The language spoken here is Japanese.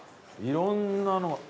いろんなの。